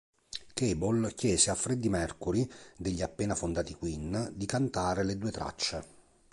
Cable chiese a Freddie Mercury degli appena fondati Queen di cantare le due tracce.